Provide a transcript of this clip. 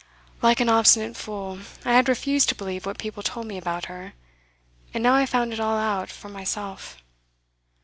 Like an obstinate fool, I had refused to believe what people told me about her, and now I found it all out for myself.